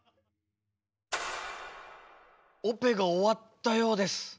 オペが終わったようです。